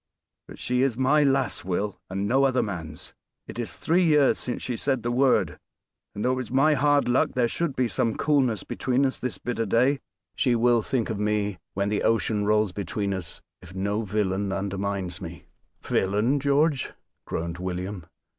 But she is my lass, Will, and no other man's. It is three years since she said the word. And though it was my hard luck there should be some coolness between us this bitter day, she will think of me when the ocean rolls between us if no villain undermines me " "Villain! George!" groaned William.